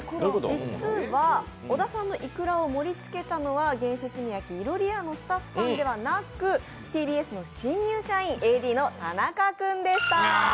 実は小田さんのいくらを盛り付けたのは原始炭焼いろり家のスタッフさんではなく、ＴＢＳの新入社員、ＡＤの田中君でした。